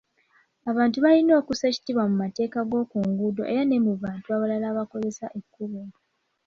Abantu balina okussa ekitiibwa mu mateeka g'okunguudo era ne mu bantu abalala abakozesa ekkubo.